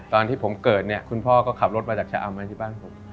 ตอนที่ผมเกิดเนี่ยคุณพ่อก็ขับรถมาจากชะอำมาที่บ้านผม